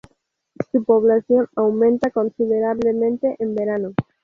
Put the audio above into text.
Su población aumenta considerablemente en verano.